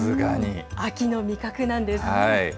秋の味覚なんです。